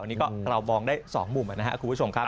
อันนี้ก็เรามองได้๒มุมนะครับคุณผู้ชมครับ